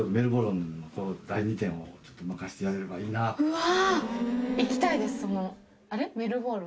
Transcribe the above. うわ！